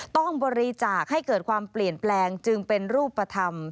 ต้องบริจาคให้เกิดความเปลี่ยนแปลงจึงเป็นรูปธรรม